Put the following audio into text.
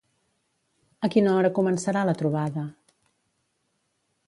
A quina hora començarà la trobada?